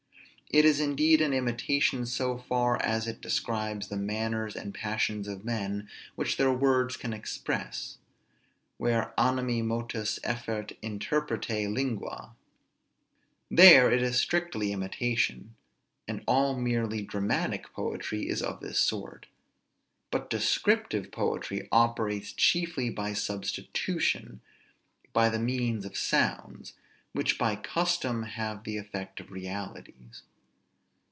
It is indeed an imitation so far as it describes the manners and passions of men which their words can express; where animi motus effert interprete lingua. There it is strictly imitation; and all merely dramatic poetry is of this sort. But descriptive poetry operates chiefly by substitution; by the means of sounds, which by custom have the effect of realities.